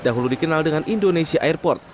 dahulu dikenal dengan indonesia airport